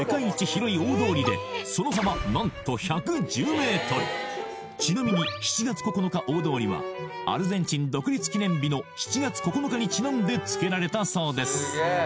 広い大通りでその幅何とちなみに７月９日大通りはアルゼンチン独立記念日の７月９日にちなんでつけられたそうです